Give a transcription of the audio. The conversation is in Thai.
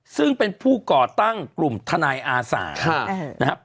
ซึ่งเป็นผู้ก่อตั้งกลุ่มแทนายอาสา